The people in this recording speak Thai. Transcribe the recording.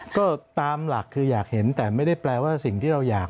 ก็ตามหลักคืออยากเห็นแต่ไม่ได้แปลว่าสิ่งที่เราอยาก